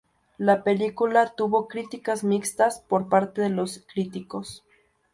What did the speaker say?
La película tuvo críticas mixtas por parte de los críticos.